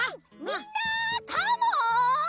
みんなカモン！